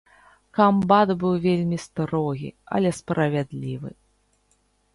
Камбат быў вельмі строгі, але справядлівы.